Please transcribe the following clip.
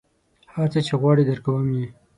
هر څه چې غواړې درکوم یې.